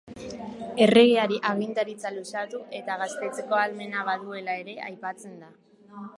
Erregeari agintaritza luzatu eta gaztetzeko ahalmena baduela ere aipatzen da.